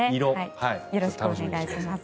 よろしくお願いします。